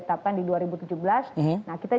tetapkan di dua ribu tujuh belas nah kita